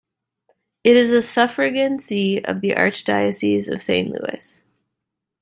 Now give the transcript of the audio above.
It is a suffragan see of the Archdiocese of Saint Louis.